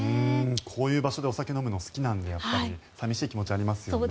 こういう場所でお酒を飲むの好きなので寂しい気持ちありますよね。